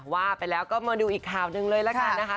ว่าไปแล้วก็มาดูอีกข่าวหนึ่งเลยละกันนะคะ